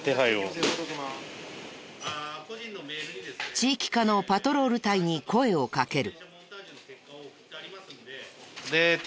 地域課のパトロール隊に声をかける。